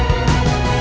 bukankah ponos diakut